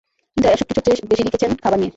কিন্তু এসবকিছুর চেয়ে বেশি লিখেছেন খাবার নিয়ে।